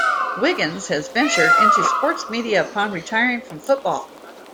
Wiggins has ventured into sports media upon retiring from football.